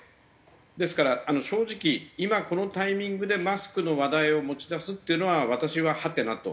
ですから正直今このタイミングでマスクの話題を持ち出すっていうのは私はハテナと。